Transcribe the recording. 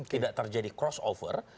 tidak terjadi cross over